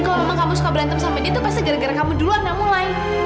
kalau memang kamu suka berantem sama dia pasti gara gara kamu duluan yang mulai